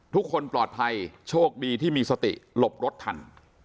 ทุกคนปลอดภัยโชคดีที่มีสติหลบรถทัน